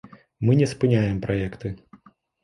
Мы не спыняем праекты.